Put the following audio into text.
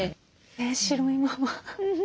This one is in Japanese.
え白いまま。